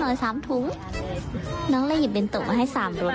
น้องเป็นเล่าเวลาสอยลิปนึงเรียกประมาณสามเป็นตุ๊กมาให้สามรถเลยคะ